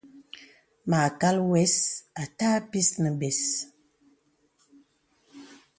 Mâkal wə̀s àtâ bis nə bə̀s.